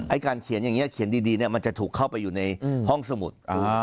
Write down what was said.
การเขียนอย่างนี้เขียนดีเนี่ยมันจะถูกเข้าไปอยู่ในห้องสมุด